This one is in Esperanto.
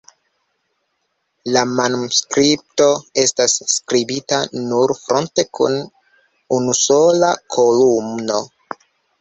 La manuskripto estas skribita nur fronte kun unusola kolumno.